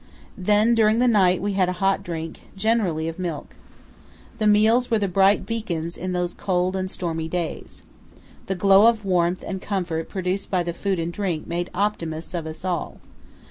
Then during the night we had a hot drink, generally of milk. The meals were the bright beacons in those cold and stormy days. The glow of warmth and comfort produced by the food and drink made optimists of us all.